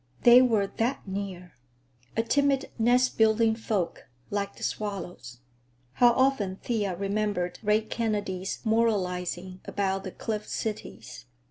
They were that near! A timid, nest building folk, like the swallows. How often Thea remembered Ray Kennedy's moralizing about the cliff cities.